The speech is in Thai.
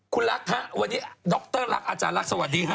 คุณรักวันนี้ด๊อคเตอร์รักอาจารย์รักสวัสดีครับ